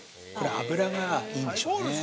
◆脂がいいんでしょうね。